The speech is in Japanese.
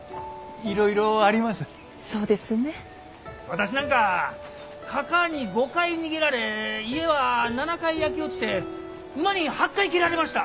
私なんかかかあに５回逃げられ家は７回焼け落ちて馬に８回蹴られました。